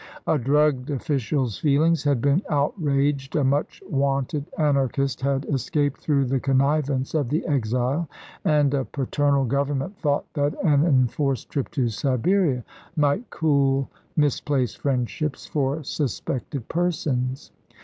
A drugged official's feelings had been outraged, a much wanted Anarchist had escaped through the connivance of the exile, and a paternal government thought that an enforced trip to Siberia might cool misplaced friendships for suspected persons.